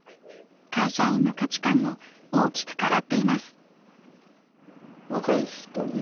会社員の価値観も大きく変わっています。